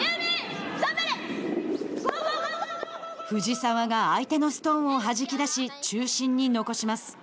藤澤が相手のストーンをはじき出し中心に残します。